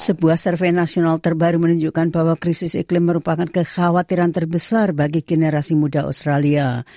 sebuah survei nasional terbaru menunjukkan bahwa krisis iklim merupakan kekhawatiran terbesar bagi generasi muda australia